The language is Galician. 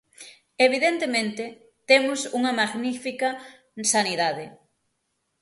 Evidentemente, temos unha magnífica sanidade.